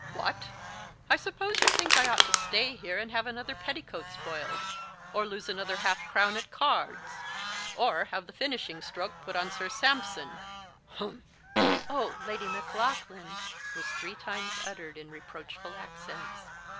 "What! I suppose you think I ought to stay here and have another petticoat spoiled; or lose another half crown at cards; or have the finishing stroke put to Sir Sampson humph!" "Oh! Lady Maclaughlan!" was three times uttered in reproachful accents.